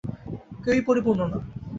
কেউই পরিপূর্ণ না।